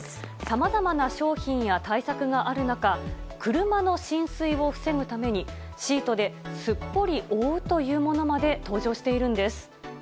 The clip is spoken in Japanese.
さまざまな商品や対策がある中、車の浸水を防ぐために、シートですっぽり覆うというもの